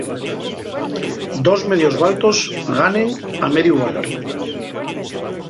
Dos medios valtos ganen a mediu valtu.